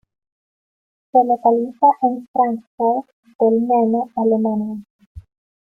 Se localiza en Fráncfort del Meno, Alemania.